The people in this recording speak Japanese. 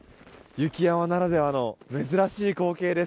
雪山ならではの珍しい光景です。